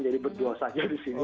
jadi berdua saja di sini